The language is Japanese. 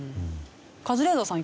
カズレーザーさん